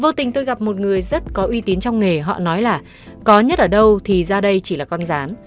vô tình tôi gặp một người rất có uy tín trong nghề họ nói là có nhất ở đâu thì ra đây chỉ là con rán